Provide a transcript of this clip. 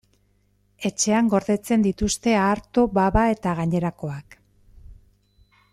Etxean gordetzen dituzte arto, baba eta gainerakoak.